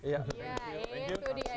ya itu dia